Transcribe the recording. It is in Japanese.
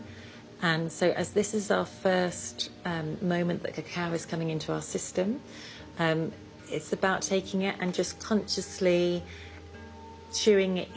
はい。